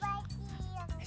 iya apa sih